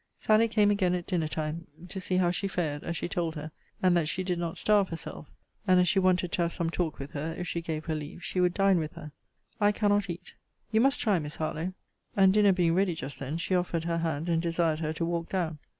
Sally came again at dinner time, to see how she fared, as she told her; and that she did not starve herself: and, as she wanted to have some talk with her, if she gave her leave, she would dine with her. I cannot eat. You must try, Miss Harlowe. And, dinner being ready just then, she offered her hand, and desired her to walk down.